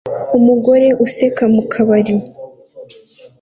Umugore useka mu kabari